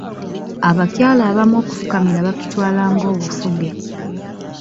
Abakyala abamu okufukamira bakitwala ng’obufuge.